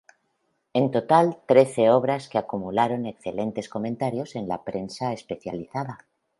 En total, trece obras que acumularon excelentes comentarios en la prensa especializada.